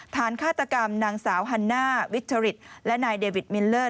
ฆาตกรรมนางสาวฮันน่าวิชริตและนายเดวิดมิลเลอร์